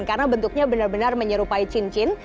karena bentuknya benar benar menyerupai cincin